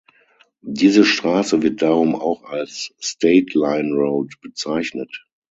Diese Straße wird darum auch als "State Line Road" bezeichnet.